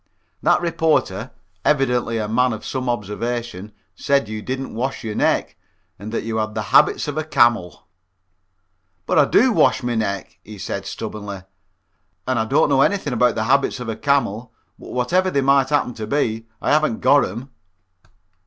"That reporter, evidently a man of some observation, said you didn't wash your neck and that you had the habits of a camel." "But I do wash my neck," he said, stubbornly, "and I don't know anything about the habits of a camel, but whatever they might happen to be, I haven't got 'em."